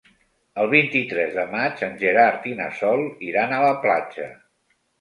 El vint-i-tres de maig en Gerard i na Sol iran a la platja.